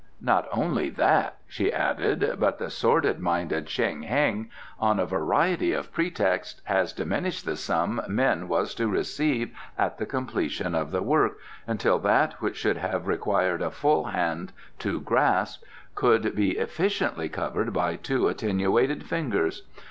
"Not only that," she added, "but the sordid minded Shen Heng, on a variety of pretexts, has diminished the sum Min was to receive at the completion of the work, until that which should have required a full hand to grasp could be efficiently covered by two attenuated fingers.